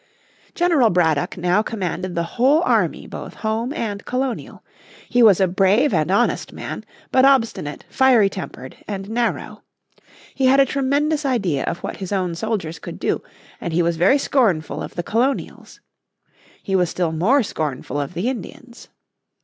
General Braddock now commanded the whole army both home and colonial. He was a brave and honest man, but obstinate, fiery tempered and narrow. He had a tremendous idea of what his own soldiers could do, and he was very scornful of the colonials. He was still more scornful of the Indians.